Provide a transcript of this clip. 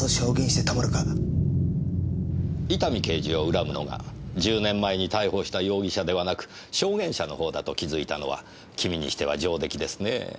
伊丹刑事を恨むのが１０年前に逮捕した容疑者ではなく証言者の方だと気づいたのは君にしては上出来ですねぇ。